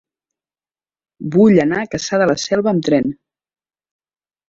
Vull anar a Cassà de la Selva amb tren.